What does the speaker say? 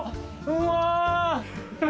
うわ！